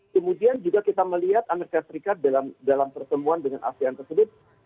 kemudian juga kita melihat amerika serikat dalam pertemuan dengan asean tersebut